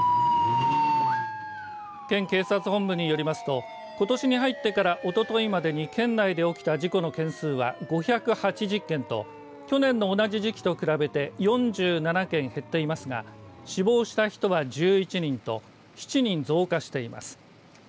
県警察本部によりますとことしに入ってからおとといまでに県内で起きた事故の件数は５８０件と去年の同じ時期と比べて４７件減っていますが死亡した人は１１人と７人増加しています。